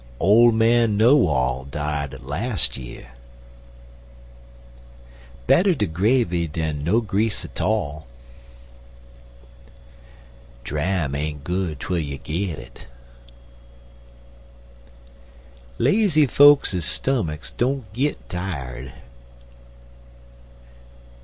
Ole man Know All died las' year. Better de gravy dan no grease 'tall. Dram ain't good twel you git it. Lazy fokes' stummucks don't git tired.